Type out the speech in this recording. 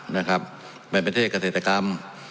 ในประเทศกระเศรษฐกรรม